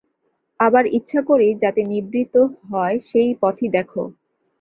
আবার ইচ্ছা করেই যাতে নিবৃত্ত হয় সেই পথই দেখো।